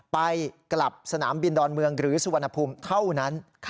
ไปกลับสนามบินดอนเมืองหรือสุวรรณภูมิเท่านั้น